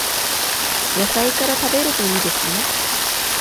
野菜から食べるといいですよ